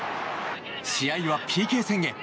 試合はＰＫ戦へ。